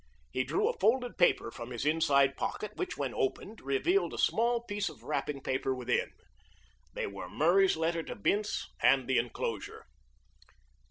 He drew a folded paper from his inside pocket, which, when opened, revealed a small piece of wrapping paper within. They were Murray's letter to Bince and the enclosure.